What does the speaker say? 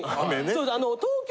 そうです。